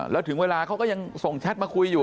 แล้วถึงเวลาเขาก็ยังส่งแชทมาคุยอยู่